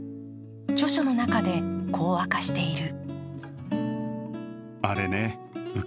著書の中でこう明かしている。